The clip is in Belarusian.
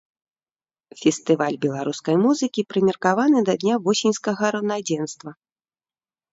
Фестываль беларускай музыкі прымеркаваны да дня восеньскага раўнадзенства.